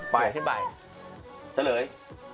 ไปไปเลย